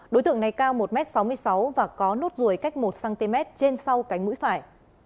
đối tượng này cao một m sáu mươi sáu và có nốt ruồi cách một cm trên sau cánh mũi phải